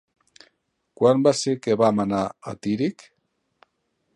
Quan va ser que vam anar a Tírig?